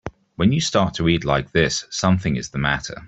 When you start to eat like this something is the matter.